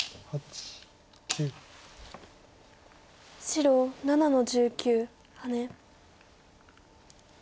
白７の十九ハネ。